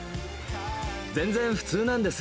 全然普通なんです。